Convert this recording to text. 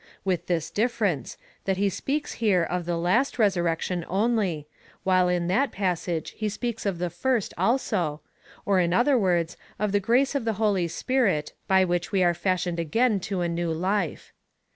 with this diiference, that he speaks here of the last resurrec tion only, while in that passage he speaks of the first also, or in other words, of the grace of the Holy Spirit, by which we are fashioned again to a new life.